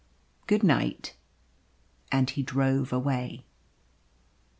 Good night." And he drove away.